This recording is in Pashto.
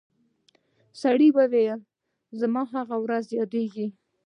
سړي وویل زما هغه ورځ یادیږي